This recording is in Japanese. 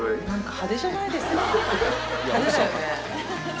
なんか派手じゃないですか？